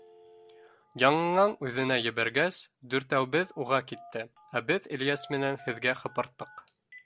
Яңынан үҙенә ебәргәс, дүртәүбеҙ уға китте, ә беҙ Ильяс менән һеҙгә һыпырттыҡ.